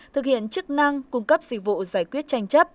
thực hiện chức năng cung cấp dịch vụ giải quyết tranh chấp